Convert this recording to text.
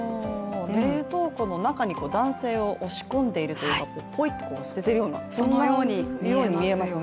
冷凍庫の中に男性を押し込んでいるというかぽいっと捨てている、そのように見えますよね。